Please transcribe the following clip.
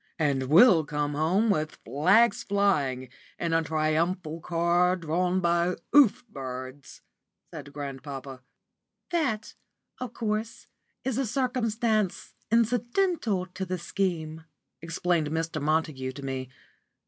"And we'll come home with flags flying, in a triumphal car drawn by oof birds," said grandpapa. "That, of course, is a circumstance incidental to the scheme," explained Mr. Montague to me.